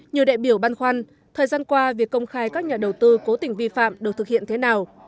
nhiều đại biểu băn khoăn thời gian qua việc công khai các nhà đầu tư cố tình vi phạm được thực hiện thế nào